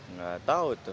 nggak tahu itu